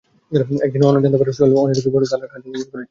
একদিন অহনা জানতে পারে, সোহেল অনেক কিছু তার কাছে গোপন করেছে।